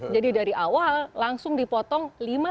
jadi dari awal langsung dipotong